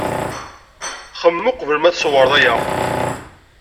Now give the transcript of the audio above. Xemmem uqbel ma tsewred aya.